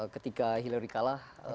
ketika hillary kalah